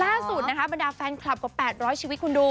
ล่าสุดนะคะบรรดาแฟนคลับกว่า๘๐๐ชีวิตคุณดู